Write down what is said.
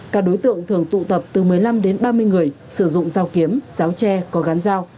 các đối tượng thường tụ tập từ một mươi năm đến ba mươi người sử dụng rào kiếm ráo tre có gán rào